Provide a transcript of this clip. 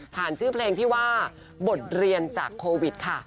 ชื่อเพลงที่ว่าบทเรียนจากโควิดค่ะ